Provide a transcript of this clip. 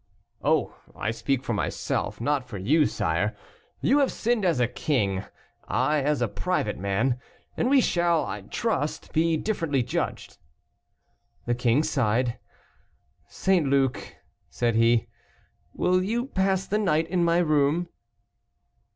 "Oh! I speak for myself, not for you, sire. You have sinned as a king, I as a private man, and we shall, I trust, be differently judged." The king sighed. "St. Luc," said he, "will you pass the night in my room?"